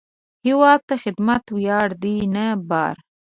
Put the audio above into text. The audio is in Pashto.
هیواد ته خدمت ویاړ دی، نه بار